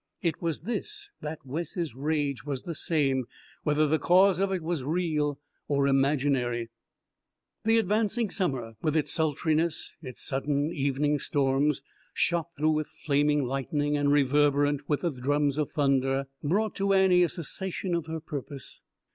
It was this that Wes's rage was the same, whether the cause of it was real or imaginary. The advancing summer, with its sultriness, its sudden evening storms shot through with flaming lightning and reverberant with the drums of thunder, brought to Annie a cessation of her purpose.